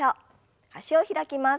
脚を開きます。